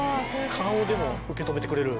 顔でも受け止めてくれる。